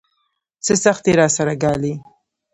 څه سختۍ راسره ګالي.